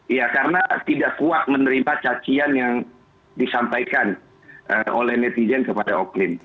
iya karena tidak kuat menerima cacian yang disampaikan oleh netizen kepada oklin